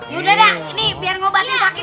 yaudah dah ini biar ngobatin pake